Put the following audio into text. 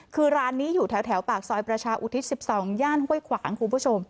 คือร้านนี้อยู่แถวปากซอยประชาอุทิศ๑๒ย่านห้วยขวางคุณผู้ชม